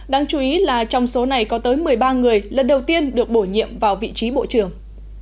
đáng chú ý là trong số này có tới một mươi ba người lần đầu tiên được bổ nhiệm vào vị trí bộ trưởng